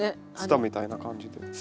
ツタみたいな感じで。